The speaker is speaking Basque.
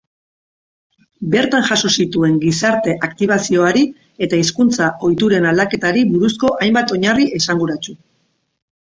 Bertan jaso zituen gizarte aktibazioari eta hizkuntza ohituren aldaketari buruzko hainbat oinarri esanguratsu.